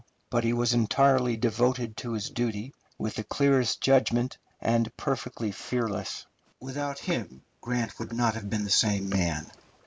But he was entirely devoted to his duty, with the clearest judgment, and perfectly fearless. Without him Grant would not have been the same man.